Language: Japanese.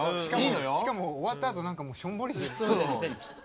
しかも終わったあと何かしょんぼりして。